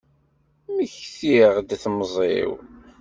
Mmektiɣ-d temẓi-w.